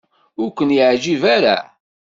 Ur ken-yeɛjib ara?